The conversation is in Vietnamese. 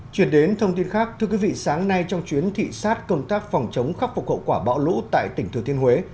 chuyển đến thông tin khác thưa quý vị sáng nay trong chuyến thị sát công tác phòng chống khắc phục hậu quả bão lũ tại tỉnh thừa thiên huế